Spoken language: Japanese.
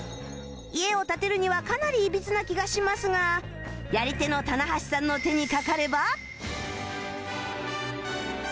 家を建てるにはかなりいびつな気がしますがやり手の棚橋さんの手にかかれば